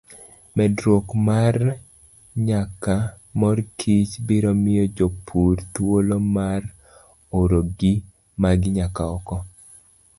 Medruokmarnyakmarmorkichbiromiyojopurthuolomarorogikmaginyagooko.